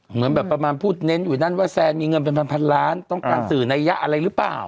เหมือนแบบประมาณพูดเน้นอยู่นั่นว่าแซนมีเงินเป็นพันล้านต้องการสื่อนัยยะอะไรหรือเปล่า